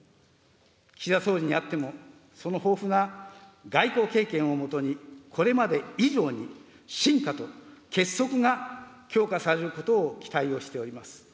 岸田総理にあっても、その豊富な外交経験をもとに、これまで以上に深化と結束が強化されることを期待をしております。